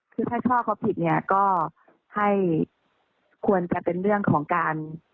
คือถ้าช่อเขาผิดเนี่ยก็ให้ควรจะเป็นเรื่องของการ